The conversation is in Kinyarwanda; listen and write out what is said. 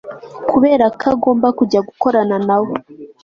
kuberako agomba kujya gukorana nawe